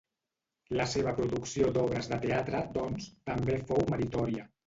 La seva producció d'obres de teatre, doncs, també fou meritòria.